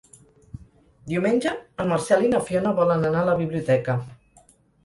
Diumenge en Marcel i na Fiona volen anar a la biblioteca.